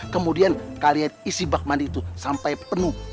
kemudian kalian isi bak mandi itu sampai penuh